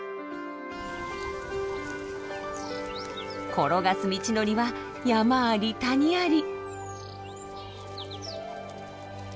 転がす道のりは山あり谷あり。